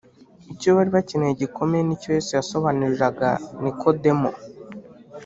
Icyo bari bakeneye gikomeye ni cyo Yesu yasobanuriraga Nikodemo,